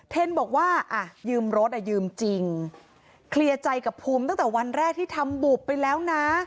เทนบอกว่าอ่ะยืมรถอ่ะยืมจริงเคลียร์ใจกับภูมิตั้งแต่วันแรกที่ทำบุบไปแล้วนะ